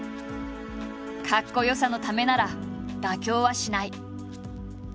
かっこよさのためなら妥協はしない。